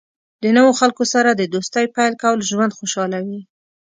د نوو خلکو سره د دوستۍ پیل کول ژوند خوشحالوي.